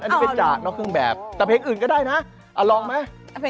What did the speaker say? อันนี้เป็นจากนอกเครื่องแบบแต่เพลงอื่นก็ได้นะลองไหม